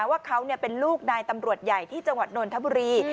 ว่าเขาเป็นลูกนายตำรวจใหญ่ที่จังหวัดนนทบุรี